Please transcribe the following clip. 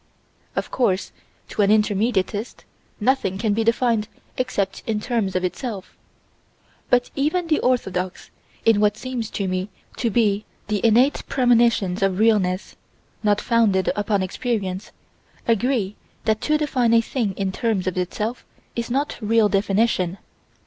Of course to an intermediatist, nothing can be defined except in terms of itself but even the orthodox, in what seems to me to be the innate premonitions of realness, not founded upon experience, agree that to define a thing in terms of itself is not real definition.